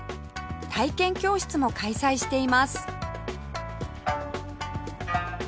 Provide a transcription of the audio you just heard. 体験教室も開催しています